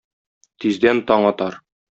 Тиздән таң атар.